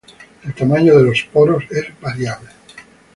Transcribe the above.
El tamaño de los poros es variable.